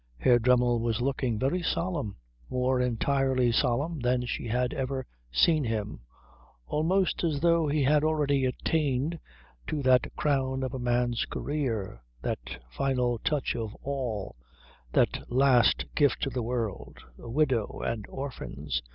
Herr Dremmel was looking very solemn; more entirely solemn than she had ever seen him; almost as though he had already attained to that crown of a man's career, that final touch of all, that last gift to the world, a widow and orphans.